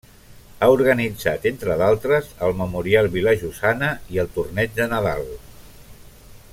Ha organitzat, entre d'altres, el Memorial Vilajosana i el Torneig de Nadal.